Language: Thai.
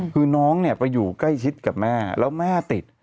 คือน้องเนี่ยไปอยู่ใกล้ชิดกับแม่แล้วแม่ติด